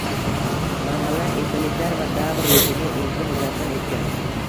Manbalar, esdaliklar va davr ruhini o‘zida mujassam etgan.